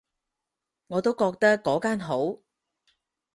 我都覺得嗰間好